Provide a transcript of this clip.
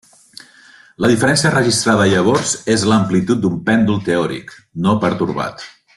La diferència registrada llavors és l'amplitud d'un pèndol teòric, no pertorbat.